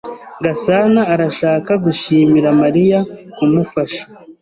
Gasana arashaka gushimira Mariya kumufasha.